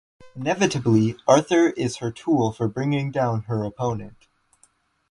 Inevitably Arthur is her tool for bringing down her opponent.